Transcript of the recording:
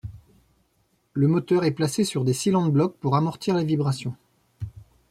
Le moteur est placé sur des silentblocs pour amortir les vibrations.